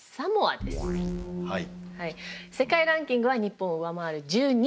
世界ランキングは日本を上回る１２位。